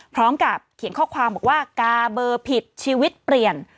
พร้อมกับเขียนข้อความบอกว่ากาเบอร์ผิดชีวิตเปลี่ยน